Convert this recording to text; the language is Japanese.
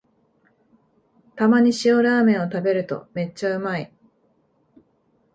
たまに塩ラーメンを食べるとめっちゃうまい